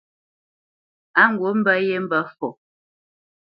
Á ŋgǔt mbə̄ yé mbə̄ fɔ.